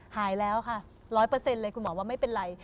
หายแล้วค่ะ๑๐๐เลยคุณหมอว่าไม่เป็นไร